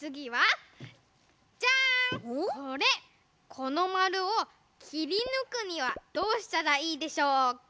このまるをきりぬくにはどうしたらいいでしょうか？